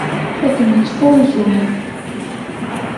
Ad nettfunzur.